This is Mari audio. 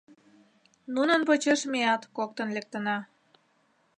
Нунын почеш меат коктын лектына.